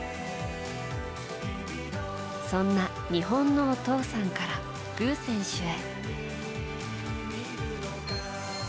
そんな日本のお父さんからグ選手へ。